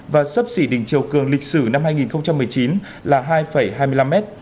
và sấp xỉ đỉnh chiều cường lịch sử năm hai nghìn một mươi chín